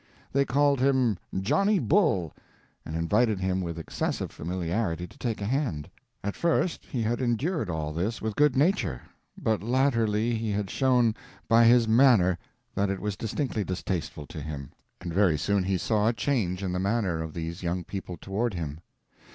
They called him "Johnny Bull," and invited him with excessive familiarity to take a hand. At first he had endured all this with good nature, but latterly he had shown by his manner that it was distinctly distasteful to him, and very soon he saw a change in the manner of these young people toward him.